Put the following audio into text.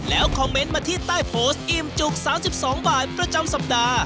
แล้วคอมเมนต์มาที่ใต้โพสต์อิ่มจุก๓๒บาทประจำสัปดาห์